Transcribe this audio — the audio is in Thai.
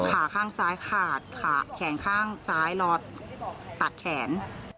ขาข้างซ้ายขาดขาแขนข้างซ้ายรอตัดแขน